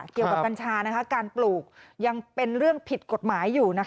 กัญชาการปลูกยังเป็นเรื่องผิดกฎหมายอยู่